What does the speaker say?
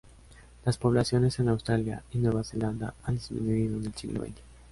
Las poblaciones en Australia y Nueva Zelanda han disminuido en el siglo xx.